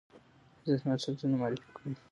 حضرت محمد معرفي کړی ؟